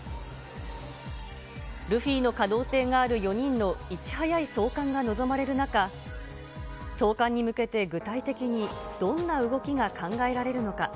ルフィの可能性がある４人のいち早い送還が望まれる中、送還に向けて具体的にどんな動きが考えられるのか。